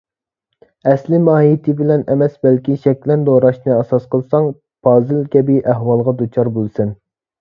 ئەسلىي ماھىيتى بىلەن ئەمەس، بەلكى شەكلەن دوراشنى ئاساس قىلساڭ، پازىل كەبى ئەھۋالغا دۇچار بولىسەن.